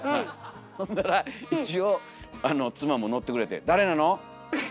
ほんだら一応妻も乗ってくれて「誰なの？」。